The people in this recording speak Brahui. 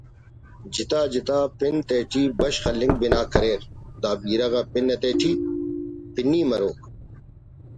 جتا جتا پن تیٹی بشخ ہلنگءِ بنا کریر دا بیرہ غا پن تیٹی پنی مروک